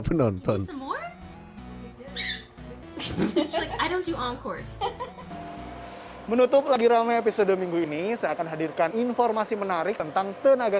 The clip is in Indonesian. penonton semua menutup lagi ramai episode minggu ini saya akan hadirkan informasi menarik tentang tenaga